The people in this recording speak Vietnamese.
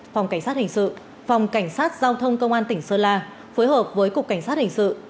phòng cảnh sát hình sự phòng cảnh sát giao thông công an tỉnh sơn la phối hợp với cục cảnh sát hình sự